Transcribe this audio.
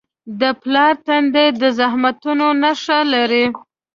د پلار تندی د زحمتونو نښه لري.